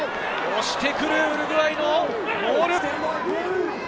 押してくる、ウルグアイのモール。